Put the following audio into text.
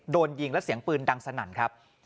โดนยิงและเสียงปืนดังสนั่นครับ